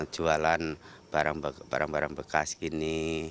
jualan barang barang bekas gini